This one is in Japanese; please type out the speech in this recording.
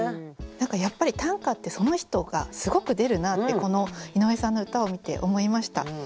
やっぱり短歌ってその人がすごく出るなってこの井上さんの歌を見て思いました。